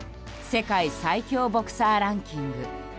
世界最強ボクサーランキング。